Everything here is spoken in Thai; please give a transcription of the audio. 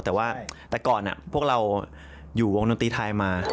แต่ว่าแต่ก่อนพวกเราอยู่วงดนตรีไทยมา